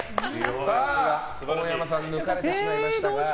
さあ、大山さん抜かれてしまいましたが。